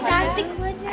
ia cantik wajah